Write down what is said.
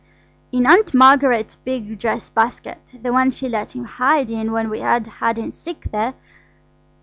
"In Aunt Margaret's big dress basket–the one she let him hide in when we had hide and seek there.